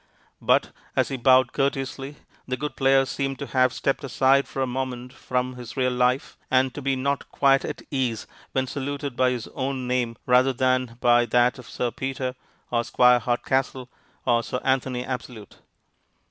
But as he bowed courteously the good player seemed to have stepped aside for a moment from his real life, and to be not quite at ease when saluted by his own name rather than by that of Sir Peter, or Squire Hardcastle, or Sir Anthony Absolute.